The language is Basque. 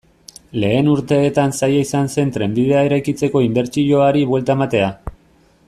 Lehen urteetan zaila izan zen trenbidea eraikitzeko inbertsioari buelta ematea.